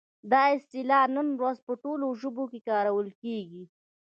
دا اصطلاح نن ورځ په ټولو ژبو کې کارول کیږي.